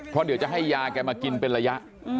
เพราะเดี๋ยวจะให้ยาแกมากินเป็นระยะ